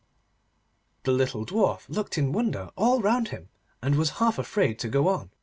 The little Dwarf looked in wonder all round him, and was half afraid to go on.